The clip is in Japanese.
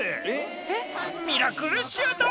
ミラクルシュート！